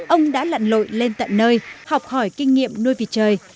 ông đã lặn lội lên tận nơi học hỏi kinh nghiệm nuôi vịt trời